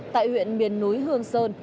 tại huyện miền núi hương sơn